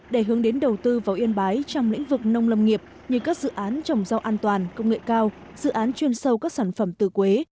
để hướng đến đầu tư vào yên bái trong lĩnh vực nông lâm nghiệp như các dự án trồng rau an toàn công nghệ cao dự án chuyên sâu các sản phẩm từ quế